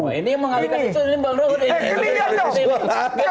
ini yang menghalikan isu ini